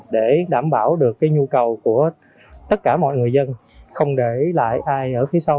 để đảm bảo được cái nhu cầu của tất cả mọi người dân không để lại ai ở phía sau